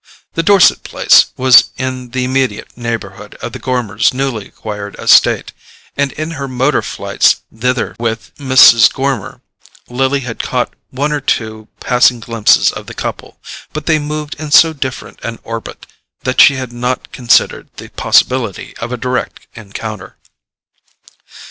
The Dorset place was in the immediate neighbourhood of the Gormers' newly acquired estate, and in her motor flights thither with Mrs. Gormer, Lily had caught one or two passing glimpses of the couple; but they moved in so different an orbit that she had not considered the possibility of a direct encounter.